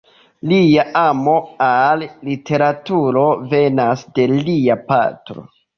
Lia amo al literaturo venas de lia patro.